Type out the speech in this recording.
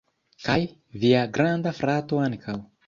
Kaj via granda frato ankaŭ